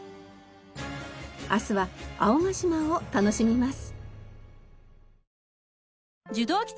明日は青ヶ島を楽しみます。